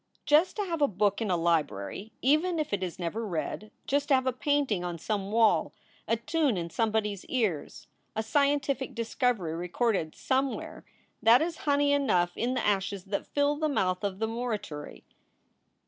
Just to have a book in a library, even if it is never read; just to have a painting on some wall; a tune in somebody s ears, a scientific discovery recorded somewhere that is honey enough in the ashes that fill the mouth of the morituri.